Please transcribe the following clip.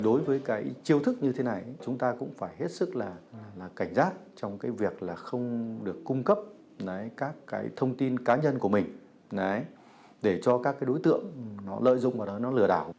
đối với chiêu thức như thế này chúng ta cũng phải hết sức cảnh giác trong việc không được cung cấp các thông tin cá nhân của mình để cho các đối tượng lợi dụng và lừa đảo